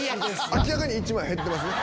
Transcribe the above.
明らかに１枚減ってますね。